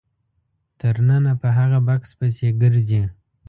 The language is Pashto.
تر ننه په هغه بکس پسې ګرځي.